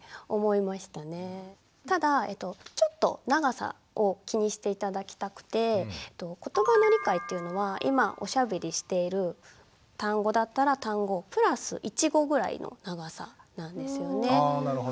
ただちょっと長さを気にして頂きたくてことばの理解っていうのは今おしゃべりしている単語だったら単語プラス１語ぐらいの長さなんですよね。